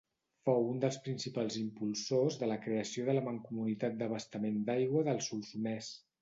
Fou un dels principals impulsors de la creació de la Mancomunitat d'Abastament d'Aigua del Solsonès.